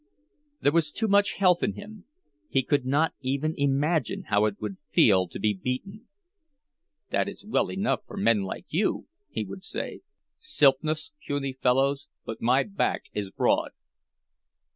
There was too much health in him. He could not even imagine how it would feel to be beaten. "That is well enough for men like you," he would say, "silpnas, puny fellows—but my back is broad."